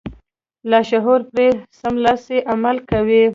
لاشعور پرې سملاسي عمل کوي.